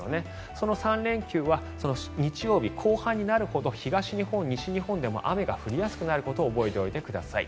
その３連休は日曜日、後半になるほど東日本、西日本でも雨が降りやすくなることを覚えておいてください。